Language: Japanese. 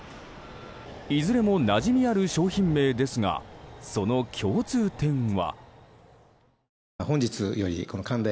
いずれもなじみある商品名ですがその共通点は。